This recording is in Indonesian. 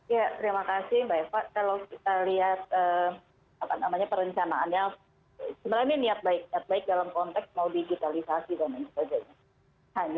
ya terima kasih mbak eva kalau kita lihat perencanaannya sebenarnya ini niat baik dalam konteks mau digitalisasi dan lain sebagainya